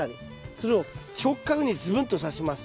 それを直角にずぶんとさします。